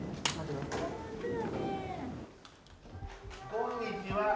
こんにちは。